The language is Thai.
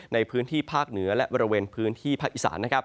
ในพื้นที่ภาคเหนือและบริเวณพื้นที่ภาคอีสาน